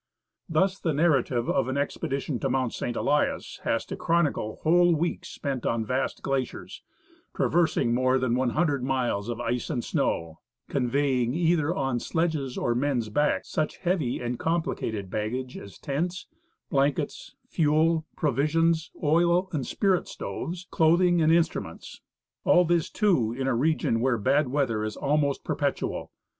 Thus the narrative of an expedition to Mount St. Elias has to chronicle whole weeks spent on vast glaciers, traversing more than 100 miles of ice and snow, conveying either on sledges or men's backs such heavy and complicated baggage as tents, blankets, fuel, provisions, oil and spirit stoves, clothing, and instruments. All this, too, in a region where bad weather is almost perpetual.